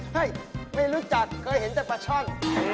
ไม่รู้จักเคยเห็นแต่ปลาช่อน